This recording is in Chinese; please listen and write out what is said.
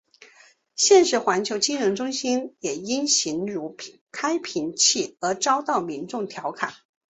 现时环球金融中心也因形如开瓶器而遭到民众调侃。